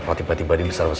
kok debuan banget sih